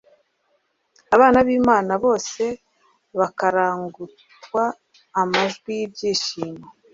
abana b'Imana bose bakarangurtua amajwi y'ibyishimo,'»